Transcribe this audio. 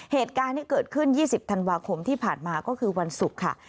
เหตุการณ์ที่เกิดขึ้น๒๐ธันวาคมที่ผ่านมาก็คือวันศุกร์ค่ะ